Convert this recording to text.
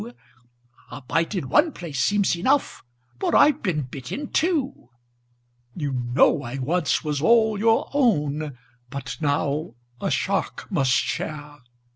A bite in one place seems enough. But I've been bit in two. "You know I once was all your own. But now a shark must share!